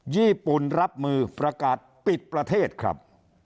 ญี่ปุ่นรับมือประกาศปิดประเทศครับ